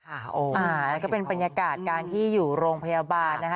แล้วก็เป็นบรรยากาศการที่อยู่โรงพยาบาลนะคะ